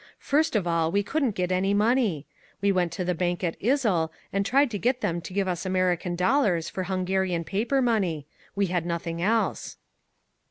First of all we couldn't get any money. We went to the bank at Izzl and tried to get them to give us American dollars for Hungarian paper money; we had nothing else."